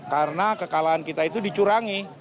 karena kekalahan kita itu dicurangi